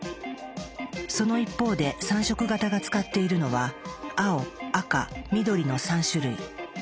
その一方で３色型が使っているのは青・赤・緑の３種類。